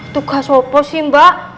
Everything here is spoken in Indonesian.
tugas apa sih mbak